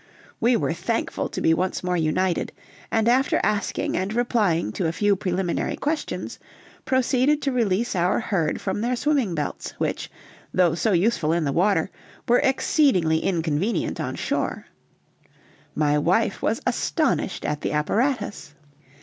We were thankful to be once more united, and after asking and replying to a few preliminary questions, proceeded to release our herd from their swimming belts, which, though so useful in the water, were exceedingly inconvenient on shore. My wife was astonished at the apparatus.